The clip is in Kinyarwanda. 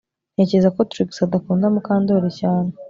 Ntekereza ko Trix adakunda Mukandoli cyane